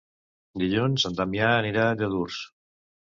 Dilluns en Damià anirà a Lladurs.